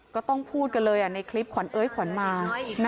ก็ต้องพูดกันเลยในคลิปขวัญเอ้ยขวัญมา